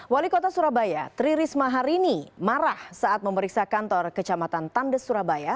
wali kota surabaya tririsma harini marah saat memeriksa kantor kecamatan tandes surabaya